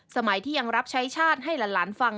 สมัยที่ยังรับใช้ชาติให้หลานฟัง